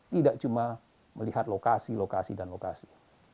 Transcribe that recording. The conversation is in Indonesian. tidak cuma melihat lokasi lokasi dan lokasi